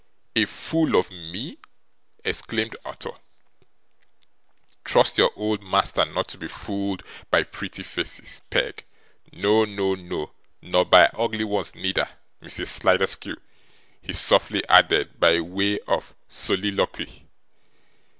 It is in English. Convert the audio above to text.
'A fool of ME!' exclaimed Arthur. 'Trust your old master not to be fooled by pretty faces, Peg; no, no, no nor by ugly ones neither, Mrs Sliderskew,' he softly added by way of soliloquy.